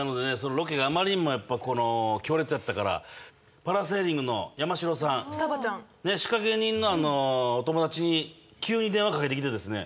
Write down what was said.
ロケがあまりにも強烈やったからパラセーリングの山城さん仕掛人のお友達に急に電話かけてきてですね